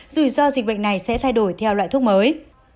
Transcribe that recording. rủi ro dịch bệnh này sẽ thay đổi theo loại thuốc mới